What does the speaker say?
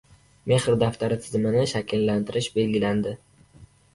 "Mehr daftari" tizimini shakllantirish belgilandi